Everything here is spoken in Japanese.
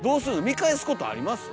見返すことあります？